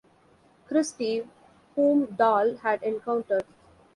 Christie, whom Dahl had encountered.